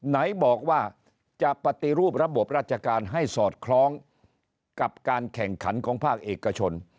ไหนบอกว่าจะปฏิรูประบบราชการให้สอดคล้องกับการแข่งขันของภาคเอกชน